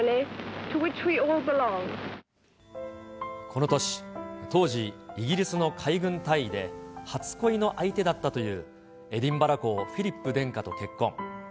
この年、当時イギリスの海軍大尉で、初恋の相手だったというエディンバラ公フィリップ殿下と結婚。